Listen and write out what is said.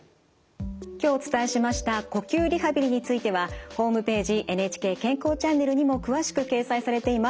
今日お伝えしました呼吸リハビリについてはホームページ「ＮＨＫ健康チャンネル」にも詳しく掲載されています。